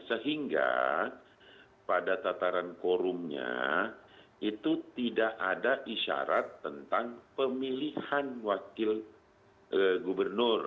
sehingga pada tataran forumnya itu tidak ada isyarat tentang pemilihan wakil gubernur